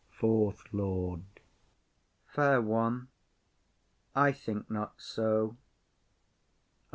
FOURTH LORD. Fair one, I think not so.